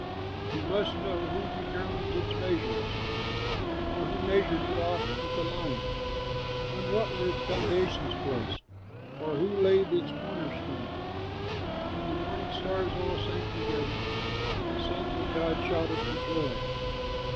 You must know! Who determined its measures? Or who measured it off with a line? On what were its foundations placed? Or who laid its corner stone, When the morning stars all sang together, And the sons of God shouted for joy?